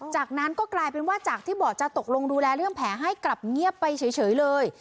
จากนั้นก็กลายเป็นว่าจากที่บอกจะตกลงดูแลเรื่องแผลให้กลับเงียบไปเฉยเลย